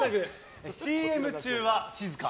「＃ＣＭ中は静か」。